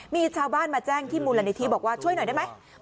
มีชาวบ้านมาแจ้งที่มูลนิธิบอกว่าช่วยหน่อยได้ไหม